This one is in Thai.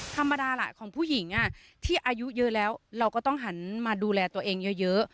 ธรรมดาแหละของผู้หญิงที่อายุเยอะแล้วเราก็ต้องหันมาดูแลตัวเองเยอะ